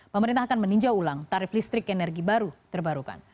pemerintah akan meninjau ulang tarif listrik energi baru terbarukan